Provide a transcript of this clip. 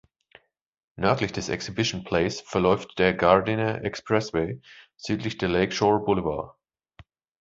Nördlich des Exhibition Place verläuft der Gardiner Expressway, südlich der Lake Shore Boulevard.